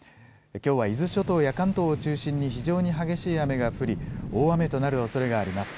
きょうは伊豆諸島や関東を中心に、非常に激しい雨が降り、大雨となるおそれがあります。